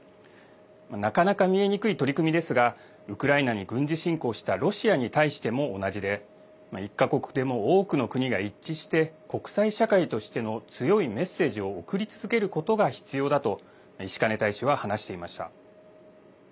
なかなか見えにくい取り組みですがウクライナに軍事侵攻したロシアに対しても同じで１か国でも多くの国が一致して国際社会としての強いメッセージを送り続けることが必要だと石兼大使は話していました。